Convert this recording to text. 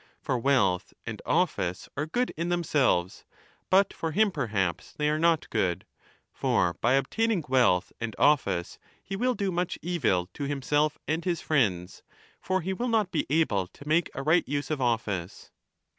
For wealth and office are good in themselves, but for him perhaps they are not good ; for by obtaining wealth and office he will do much evil to himself and his friends, for he will not be able to make a right use of office.